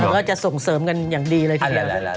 เราก็จะส่งเสริมกันอย่างดีเลยที